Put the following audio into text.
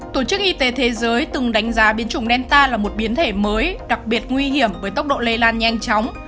tổ chức y tế thế giới từng đánh giá biến chủng menta là một biến thể mới đặc biệt nguy hiểm với tốc độ lây lan nhanh chóng